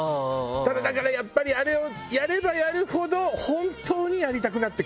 ただだからやっぱりあれをやればやるほど本当にやりたくなってきちゃうのよ。